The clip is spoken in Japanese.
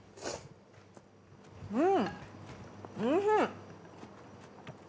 うん。